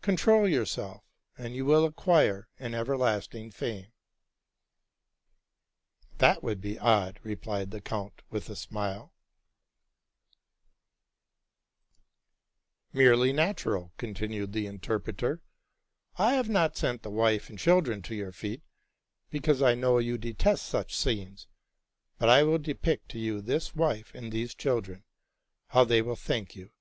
Control yourself, and you will acquire an everlasting fame." '¢ That would be odd,'"' replied the count, with a smile. '' Merely natural,'' continued the interpreter: '' I have not sent the wife and children to your feet, because I know you detest such scenes; but I will depict to you this wife and these children, how they will thank you.